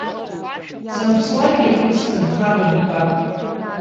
Санԥслакгьы акыр сҭынхар ббап.